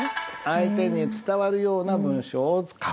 相手に伝わるような文章を書く事。